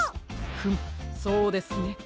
フムそうですね。